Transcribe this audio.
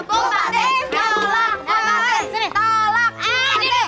tolak bupati tolak bupati